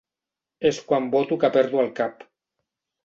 És quan voto que perdo el cap.